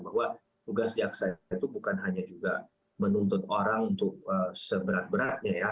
bahwa tugas jaksa itu bukan hanya juga menuntut orang untuk seberat beratnya ya